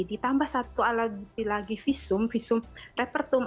ditambah satu alat bukti lagi visum visum repertum